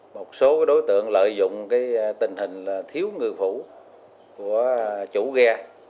một số đối tượng lợi dụng tình hình thiếu ngư phủ của chủ ghe